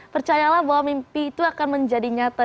percayalah bahwa mimpi itu akan menjadi nyata